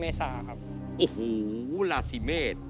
เมส่าครับ